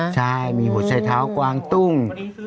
ใช่มีหัวใจเท้ากวางตุ้ง